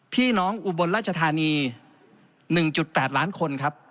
อุบลราชธานี๑๘ล้านคนครับ